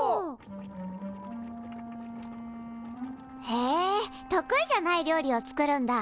へえ得意じゃない料理を作るんだ。